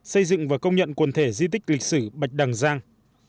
xây dựng và công nhận quần thể di tích lịch sử bạch đằng giang